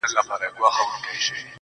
ژونده د څو انجونو يار يم، راته ووايه نو,